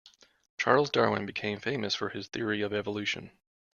Charles Darwin became famous for his theory of evolution.